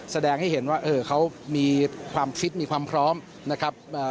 แสดงให้เห็นว่าเขามีความฟิตมีความพร้อมนะครับ